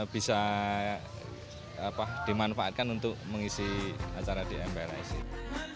bisa dimanfaatkan untuk mengisi acara di mprs ini